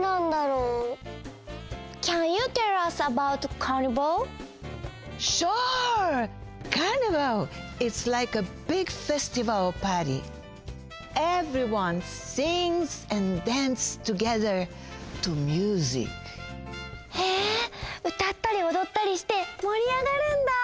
うたったりおどったりしてもり上がるんだ！